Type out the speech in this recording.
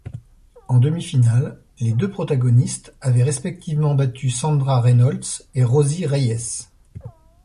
En demi-finale, les deux protagonistes avaient respectivement battu Sandra Reynolds et Rosie Reyes.